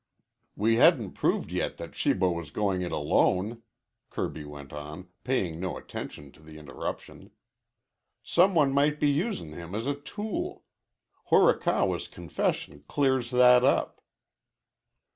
"We hadn't proved yet that Shibo was goin' it alone," Kirby went on, paying no attention to the interruption. "Some one might be usin' him as a tool. Horikawa's confession clears that up."